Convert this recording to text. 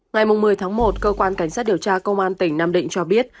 ngày một mươi tháng một cơ quan cảnh sát điều tra công an tỉnh nam định cho biết